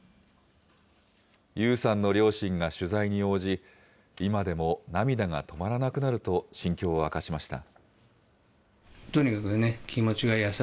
優さんの両親が取材に応じ、今でも涙が止まらなくなると、心境を明かしました。